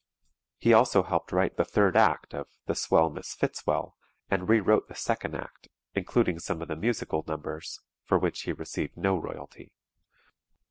He also helped write the third act of "The Swell Miss Fitzwell," and re wrote the second act, including some of the musical numbers, for which he received no royalty.